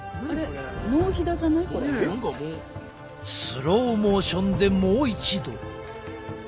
スローモーションでもう一度。